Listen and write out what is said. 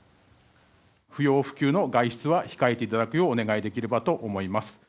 不要不急の外出は控えていただくようお願いできればと思いま